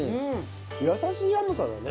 優しい甘さだね。